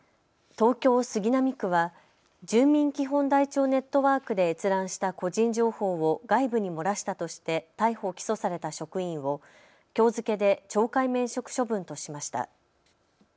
東京杉並区は住民基本台帳ネットワークで閲覧した個人情報を外部に漏らしたとして逮捕・起訴された職員をきょう付けで懲戒免職処分としました。